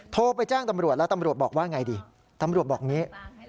โทรไปแจ้งตำรวจแล้วตำรวจบอกว่าไงดีตำรวจบอกอย่างนี้